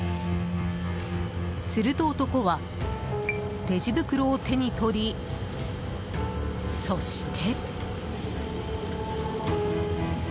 すると男は、レジ袋を手に取りそして。